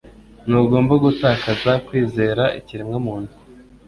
Ntugomba gutakaza kwizera ikiremwamuntu.